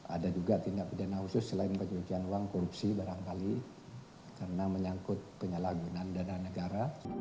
ada juga tindak pidana khusus selain pencucian uang korupsi barangkali karena menyangkut penyalahgunaan dana negara